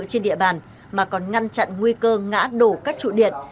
trên địa bàn mà còn ngăn chặn nguy cơ ngã đổ các trụ điện